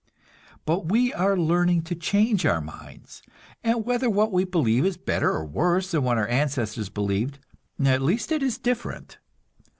But we are learning to change our minds; and whether what we believe is better or worse than what our ancestors believed, at least it is different.